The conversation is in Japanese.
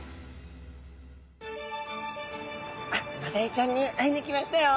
マダイちゃんに会いに来ましたよ！